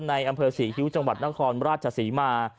เมื่อสีคิ้วจังหวัดนครราชสีมา